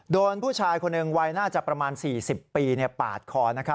โดนผู้ชายคนหนึ่งวัยน่าจะประมาณ๔๐ปีปาดคอ